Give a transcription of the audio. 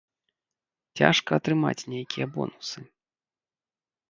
Цяжка атрымаць нейкія бонусы.